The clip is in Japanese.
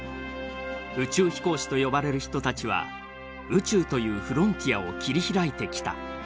「宇宙飛行士」と呼ばれる人たちは宇宙というフロンティアを切り開いてきた。